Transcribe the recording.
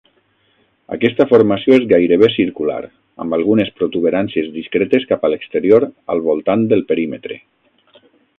Aquesta formació és gairebé circular, amb algunes protuberàncies discretes cap a l'exterior al voltant del perímetre.